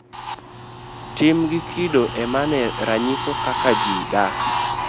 Tim gi kido emane ranyiso kaka ji dak.